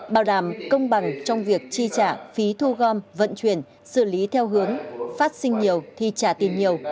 bảo đảm công bằng trong việc chi trả phí thu gom vận chuyển xử lý theo hướng phát sinh nhiều thì trả tiền nhiều